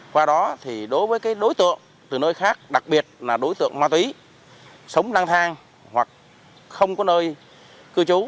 qua đó thì đối với đối tượng từ nơi khác đặc biệt là đối tượng ma túy sống lang thang hoặc không có nơi cư trú